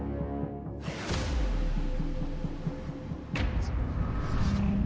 โปรดติดตามตอนต่อไป